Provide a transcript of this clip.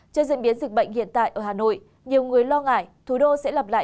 trên diễn biến dịch bệnh hiện tại ở hà nội nhiều người lo ngại thủ đô sẽ lặp lại